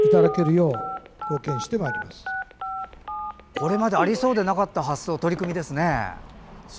これまでありそうでなかった発想取り組みですね。